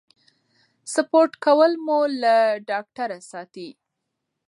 سپورت کول مو له ډاکټره ساتي.